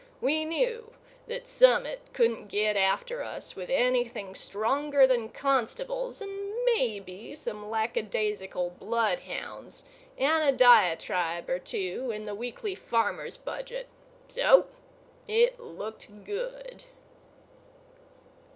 We knew that Summit couldn't get after us with anything stronger than constables and maybe some lackadaisical bloodhounds and a diatribe or two in the Weekly Farmers' Budget. So, it looked good.